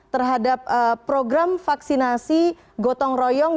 terhadap program vaksinasi gotong royong